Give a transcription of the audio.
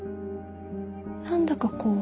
何だかこう